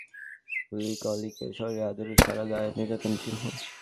এরপর হাসপাতালে নিলে দেখা যায়, লিকলিকে শরীরের আদুরির সারা গায়ে নির্যাতনের চিহ্ন।